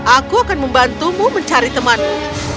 aku akan membantumu mencari temanmu